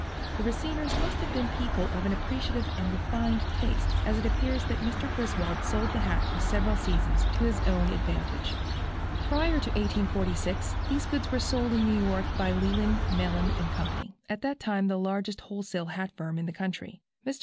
The Raciners must have been people of an appreciative and refined taste, as it appears that Mr. Griswold sold the hat for several seasons to his own advantage. Prior to 1846 these goods were sold in New York by Leland, Mellen & Co., at that time the largest wholesale hat firm in the country. Mr.